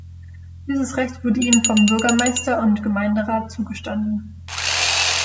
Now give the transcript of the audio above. Dieses Recht wurde ihm vom Bürgermeister und Gemeinderat zugestanden.